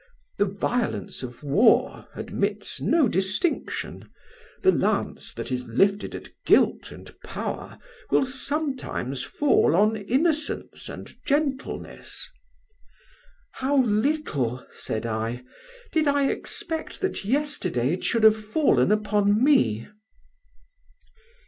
The violence of war admits no distinction: the lance that is lifted at guilt and power will sometimes fall on innocence and gentleness.' "'How little,' said I, 'did I expect that yesterday it should have fallen upon me!